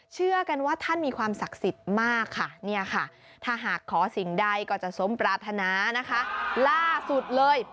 เชื่อกันว่าท่านมีความศักดิ์สิทธิ์มากค่ะเนี่ยค่ะถ้าหากขอสิ่งใดก็จะสมปรารถนานะคะล่าสุดเลย